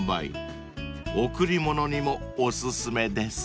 ［贈り物にもお薦めです］